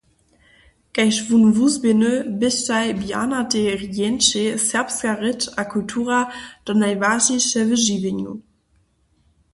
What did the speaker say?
Kaž wón wuzběhny, běštej Bjarnatej Rjentšej serbska rěč a kultura to najwažniše w žiwjenju.